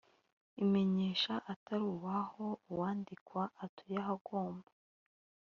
Imenyesha atari uw aho uwandikwa atuye agomba